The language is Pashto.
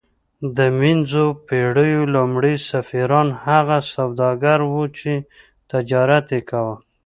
د منځنیو پیړیو لومړي سفیران هغه سوداګر وو چې تجارت یې کاوه